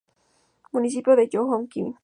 Municipio de Jönköping